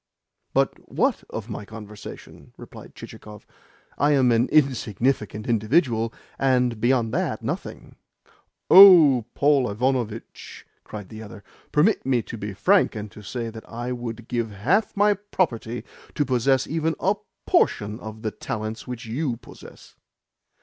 "But WHAT of my conversation?" replied Chichikov. "I am an insignificant individual, and, beyond that, nothing." "Oh, Paul Ivanovitch!" cried the other. "Permit me to be frank, and to say that I would give half my property to possess even a PORTION of the talents which you possess."